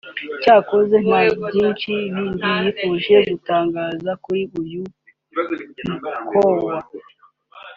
Icyakora nta byinshi bindi yifuje gutangaza kuri uyu mukowa